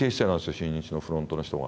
新日のフロントの人が。